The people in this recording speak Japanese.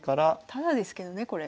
タダですけどねこれ。